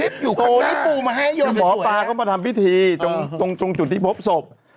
ตอนหมอปราวเขามาทำพิธีตรงจุดที่พบศพ